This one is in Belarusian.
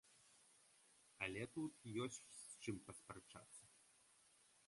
Але тут ёсць з чым паспрачацца.